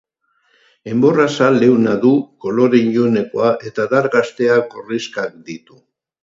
Enbor-azal leuna du, kolore ilunekoa eta adar gazteak gorrixkak ditu.